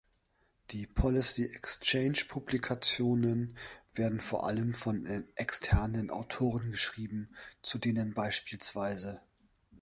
Die Policy Exchange-Publikationen werden vor allem von externen Autoren geschrieben, zu denen bspw.